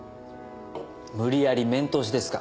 無理やり面通しですか。